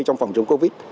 trong phòng chống covid